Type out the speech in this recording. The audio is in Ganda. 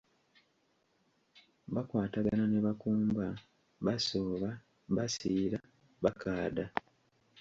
"Bakwatagana ne bakumba, basooba, basiira, bakaada."